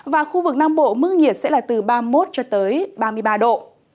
và khu vực nam bộ mức nhiệt sẽ là từ ba mươi một ba mươi ba độ